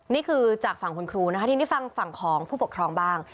นี่คือจากฝั่งคุณครูนะคะทีนี้ฟังฝั่งของผู้ปกครองบ้าง